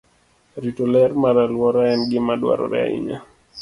Rito ler mar alwora en gima dwarore ahinya.